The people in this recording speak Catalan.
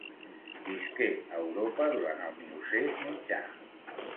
Visqué a Europa durant el Miocè mitjà.